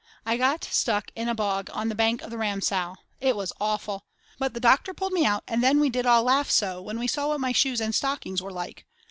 I got stuck in a bog on the bank of the Ramsau. It was awful. But the doctor pulled me out and then we did all laugh so when we saw what my shoes and stockings were like.